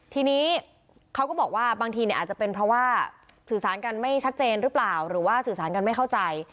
ทีนี้เขาก็บอกว่าบางทีอาจจะเป็นเพราะว่าสื่อสารกันไม่ชัดเจนหรือเปล่าหรือว่าสื่อสารกันไม่เข้าใจ